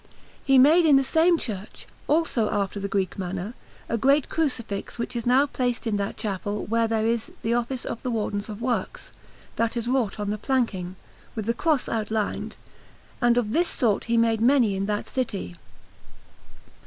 He made in the same church, also after the Greek manner, a great Crucifix which is now placed in that chapel where there is the Office of the Wardens of Works; this is wrought on the planking, with the Cross outlined, and of this sort he made many in that city.